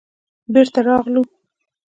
بېرته راغلو.